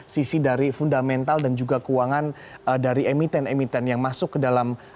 sisi dari fundamental dan juga keuangan dari emiten emiten yang masuk ke dalam